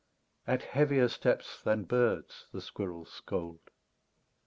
At heavier steps than birds' the squirrels scold.